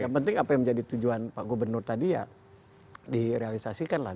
yang penting apa yang menjadi tujuan pak gubernur tadi ya direalisasikan lah